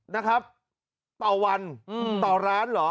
นะครับต่อวันต่อร้านเหรอ